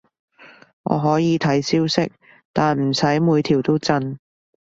我可以睇消息，但唔使每條都震